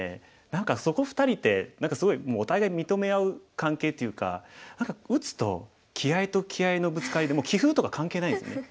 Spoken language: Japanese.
何かそこ２人ってすごいもうお互い認め合う関係というか何か打つと気合いと気合いのぶつかりでもう棋風とか関係ないんですよね。